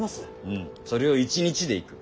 うんそれを１日で行く。